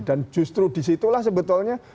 dan justru disitulah sebetulnya